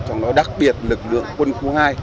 trong đó đặc biệt lực lượng quân khu hai